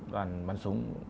đoàn bắn súng